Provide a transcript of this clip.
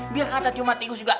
biar kata cuma tikus juga